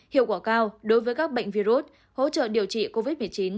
hiệu quả cao đối với các bệnh virus hỗ trợ điều trị covid một mươi chín